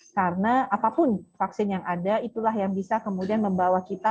karena apapun vaksin yang ada itulah yang bisa kemudian membawa kita